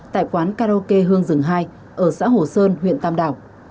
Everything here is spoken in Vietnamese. tại quán karaoke hương rừng hai ở xã hồ sơn huyện tam đảo